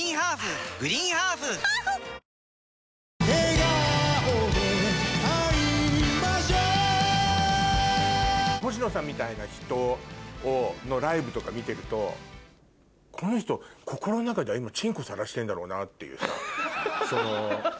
笑顔で会いましょう星野さんみたいな人のライブとか見てるとこの人心の中では今チンコさらしてんだろうなっていうさ。